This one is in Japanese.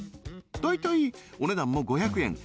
大体お値段も５００円